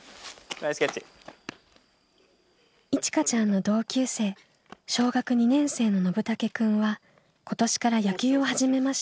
いちかちゃんの同級生小学２年生ののぶたけくんは今年から野球を始めました。